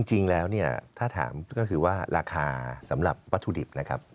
จริงแล้วเนี่ยถ้าถามก็คือว่าราคาสำหรับวัตถุดิบนะครับ